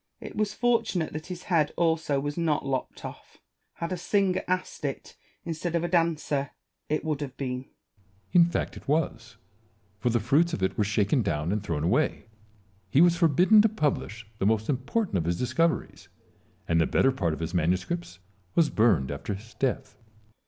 It was for tunate that his head also was not lopped off: had a singer asked it, instead of a dancer, it would have been. Salomon. In fact it was ; for the fruits of it were shaken down and thrown away : he was forbidden to publish the most important of his discoveries, and the better part of his manuscripts was burned after his death.